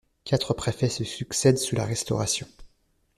Quatre préfets se succèdent sous la Restauration.